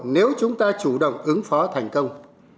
nếu chúng ta chủ động ứng phó thành công